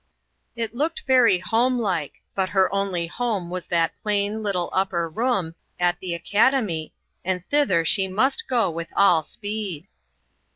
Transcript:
It looked very home like, but her only AN OPEN DOOR. 14! home was that plain, little upper room, at the academy, and thither she must go with all speed.